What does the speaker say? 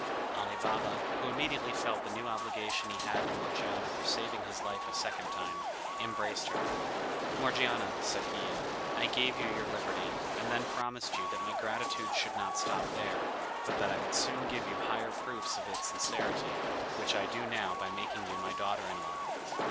Ali Baba, who immediately felt the new obligation he had to Morgiana for saving his life a second time, embraced her: "Morgiana," said he, "I gave you your liberty, and then promised you that my gratitude should not stop there, but that I would soon give you higher proofs of its sincerity, which I now do by making you my daughter in law."